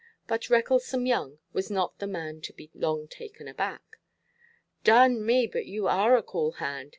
But Recklesome Young was not the man to be long taken aback. "Darn me, but yoo are a cool hand.